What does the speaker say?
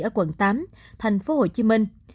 ở quận tám thành phố hồ chí minh